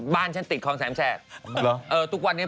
ไปนั่งเรือคอร์งแสนแสบนี่ใกล้